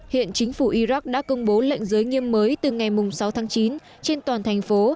hiện chính phủ iraq đã công bố lệnh giới nghiêm mới từ ngày sáu tháng chín trên toàn thành phố